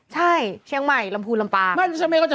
ใช่เชียงใหม่ลำพูนลำปาง